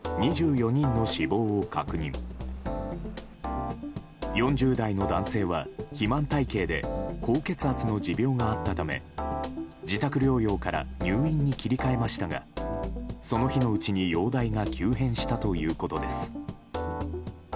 ４０代の男性は肥満体形で高血圧の持病があったため自宅療養から入院に切り替えましたがその日のうちに容体が急変したということです。